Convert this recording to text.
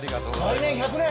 来年１００年！